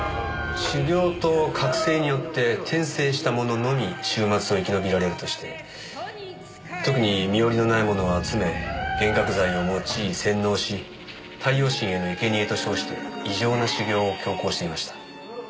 修行と覚醒によって転生した者のみ終末を生き延びられるとして特に身寄りのない者を集め幻覚剤を用い洗脳し太陽神へのいけにえと称して異常な修行を強行していました。